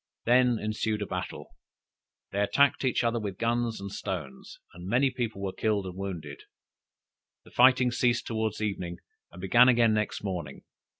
Then ensued a battle; they attacked each other with guns and stones, and many people were killed and wounded. The fighting ceased towards evening, and began again next morning.